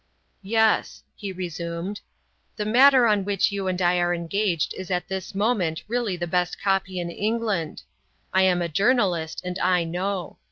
"Yes," he resumed. "The matter on which you and I are engaged is at this moment really the best copy in England. I am a journalist, and I know.